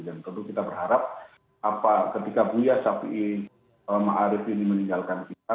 dan tentu kita berharap ketika buya syafi'i ma'arif ini meninggalkan kita